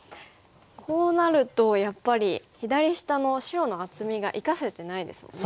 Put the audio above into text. こうなるとやっぱり左下の白の厚みが生かせてないですもんね。